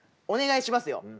お願いしますよ。